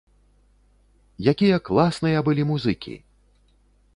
Якія класныя былі музыкі!